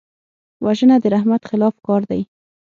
وژنه د رحمت خلاف کار دی